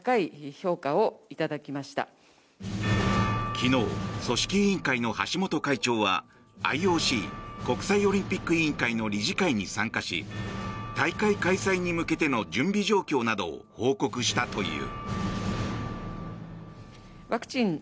昨日、組織委員会の橋本会長はＩＯＣ・国際オリンピック委員会の理事会に参加し大会開催に向けての準備状況などを報告したという。